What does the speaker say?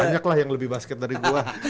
banyak lah yang lebih basket dari gue